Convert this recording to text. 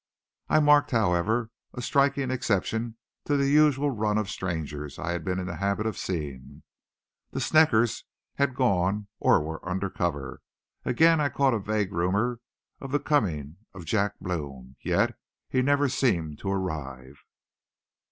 I marked, however, a striking exception to the usual run of strangers I had been in the habit of seeing. The Sneckers had gone or were under cover. Again I caught a vague rumor of the coming of Jack Blome, yet he never seemed to arrive.